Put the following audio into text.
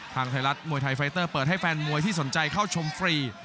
ทางไทยรัฐมวยไทยไฟเตอร์เปิดให้แฟนมวยที่สนใจเข้าชมฟรี